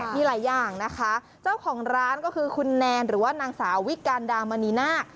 มีหลายอย่างนะคะเจ้าของร้านก็คือคุณแนนหรือว่านางสาววิการดามณีนาค